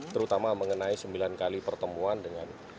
terutama mengenai sembilan kali pertemuan dengan